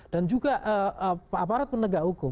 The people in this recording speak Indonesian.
dan juga aparat penegak hukum